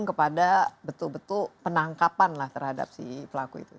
ada penyelidikan dicegah itu dan berujung kepada betul betul penangkapan lah terhadap si pelaku itu